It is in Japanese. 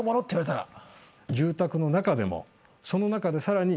住宅の中でもその中でさらに。